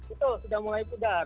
itu sudah mulai pudar